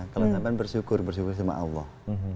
kalau saya kan bersyukur bersyukur sama allah